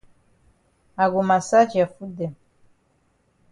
I go massage ya foot dem.